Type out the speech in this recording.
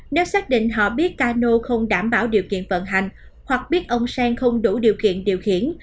nếu xác định họ biết cano không đảm bảo điều kiện vận hành hoặc biết ông sang không đủ điều kiện điều khiển